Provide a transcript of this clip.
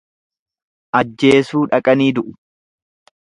Ajjeesuu dhaqanii du'u.